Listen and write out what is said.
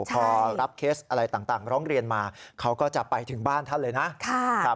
พอรับเคสอะไรต่างร้องเรียนมาเขาก็จะไปถึงบ้านท่านเลยนะ